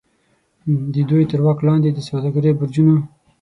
د دوی تر واک لاندې د سوداګرۍ برجونو.